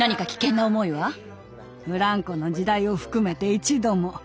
フランコの時代を含めて一度も。